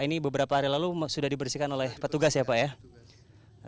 ini beberapa hari lalu sudah dibersihkan oleh petugas ya pak ya